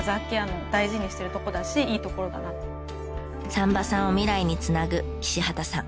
産婆さんを未来につなぐ岸畑さん。